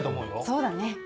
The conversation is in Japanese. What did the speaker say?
そうだね。